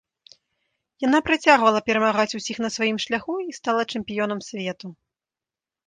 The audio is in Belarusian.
Яна працягвала перамагаць усіх на сваім шляху і стала чэмпіёнам свету.